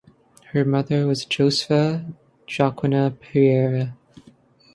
Her mother was Josefa Joaquina Pereira.